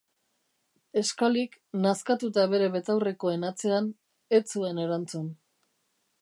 Scalik, nazkatuta bere betaurrekoen atzean, ez zuen erantzun.